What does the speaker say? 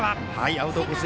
アウトコース